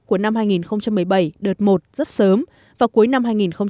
của năm hai nghìn một mươi bảy đợt một rất sớm và cuối năm hai nghìn một mươi sáu